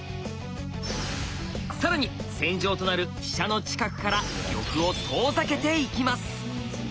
更に戦場となる飛車の近くから玉を遠ざけていきます。